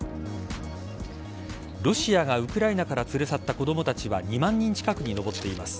ロシアがウクライナから連れ去った子供たちは２万人近くに上っています。